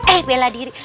eh bela diri